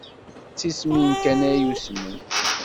D tismin kan ay usmen.